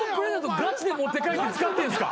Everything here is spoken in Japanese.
ガチで持って帰って使ってんすか？